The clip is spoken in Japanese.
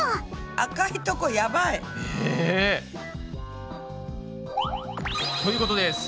赤いとこやばい！え！ということです